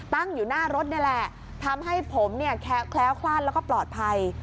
ตั้งอยู่หน้ารถนี่แหละทำให้ผมเนี่ยแคล้วคลาดแล้วก็ปลอดภัย